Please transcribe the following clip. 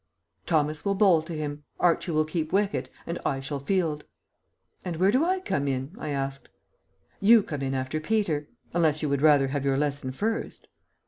"Thomas will bowl to him, Archie will keep wicket, and I shall field." "And where do I come in?" I asked. "You come in after Peter. Unless you would rather have your lesson first."